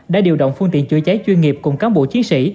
đã điều động phương tiện chữa cháy chuyên nghiệp cùng cán bộ chiến sĩ